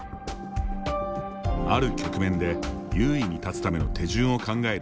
ある局面で優位に立つための手順を考える